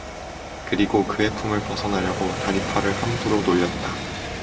그리고 그의 품을 벗어나려고 다리팔을 함부로 놀렸다.